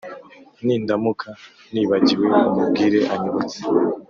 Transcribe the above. nindamuka nibagiwe umubwire anyibutse